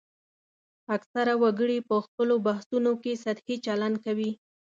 اکثره وګړي په خپلو بحثونو کې سطحي چلند کوي